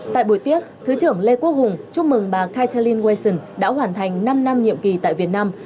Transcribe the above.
tại buổi tiếp thứ trưởng lê quốc hùng chúc mừng bà kaitalym watson đã hoàn thành năm năm nhiệm kỳ tại việt nam